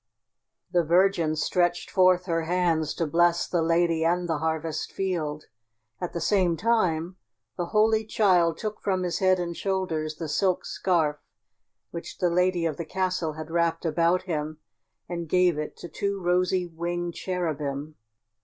The Virgin stretched forth her hands to bless the lady and the harvest field. At the same time the Holy Child took from his head and shoulders the silk scarf which the lady of the castle had wrapped about him, and gave it to two rosy winged cherubim.